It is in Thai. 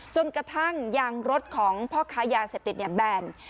จนกระทั่งยางรถของพ่อค้ายาเสพติดแบน